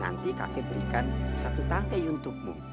nanti kakek akan memberikan satu tangke untukmu